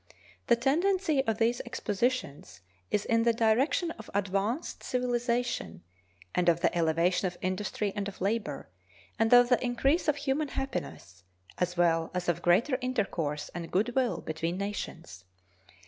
The tendency of these expositions is in the direction of advanced civilization, and of the elevation of industry and of labor, and of the increase of human happiness, as well as of greater intercourse and good will between nations.